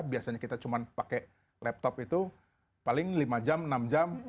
biasanya kita cuma pakai laptop itu paling lima jam enam jam